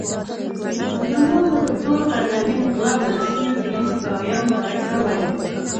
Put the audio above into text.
زلمو ته د ثور پرتمین انقلاب د لسمې کلېزې په وياړ مبارکي وایم